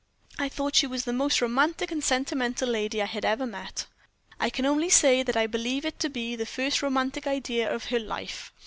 I thought she was the most romantic and sentimental lady I had ever met." "I can only say that I believe it to be the first romantic idea of her life.